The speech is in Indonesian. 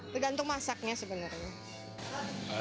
tergantung masaknya sebenarnya